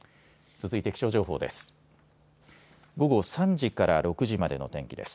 続いて気象情報です。